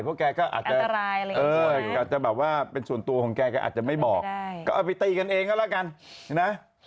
เพราะแกก็อาจจะแบบว่าเป็นส่วนตัวของแกอาจจะไม่บอกก็เอาไปตีกันเองก็แล้วกันนะ